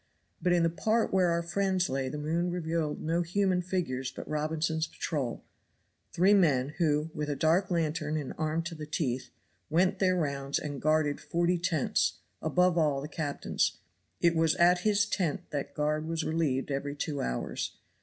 But in the part where our friends lay the moon revealed no human figures but Robinson's patrol, three men, who, with a dark lantern and armed to the teeth, went their rounds and guarded forty tents, above all the captain's. It was at his tent that guard was relieved every two hours.